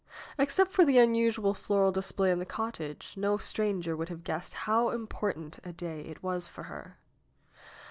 Except for the unusual floral display in the cottage, no stranger would have guessed how important a day it was for her.